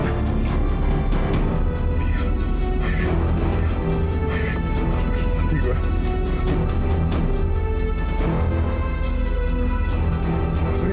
aku harus bisa tuhan